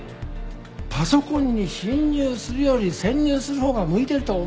パソコンに侵入するより潜入する方が向いてると思わない？